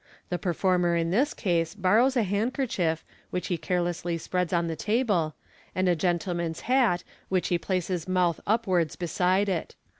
The performer in this case borrows a handkerchief, which he carelessly spreads on the table, and a gentleman's hat, which he places mouth upwards beside it.